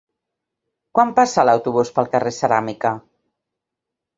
Quan passa l'autobús pel carrer Ceràmica?